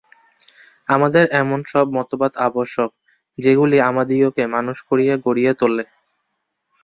আমাদের এমন সব মতবাদ আবশ্যক, যেগুলি আমাদিগকে মানুষ করিয়া গড়িয়া তোলে।